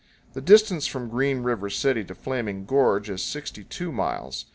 The distance from Green River City to Flaming Gorge is 62 miles.